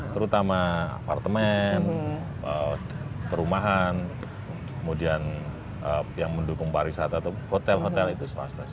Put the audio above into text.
terutama apartemen perumahan kemudian yang mendukung pariwisata itu hotel hotel itu swasta